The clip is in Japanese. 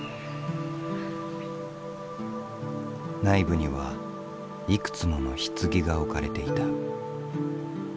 内部にはいくつものひつぎが置かれていた。